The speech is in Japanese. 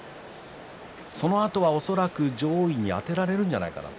そのあとも恐らく上位にあてられるんじゃないかと。